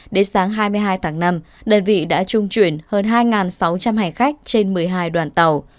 đến sáng hai mươi hai tháng năm đơn vị đã trung chuyển hơn hai sáu trăm linh hành khách trên một mươi hai đoàn tàu